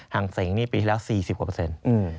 ฮังเซงนี่ปีที่แล้วสี่สิบกว่าเปอร์เซ็นต์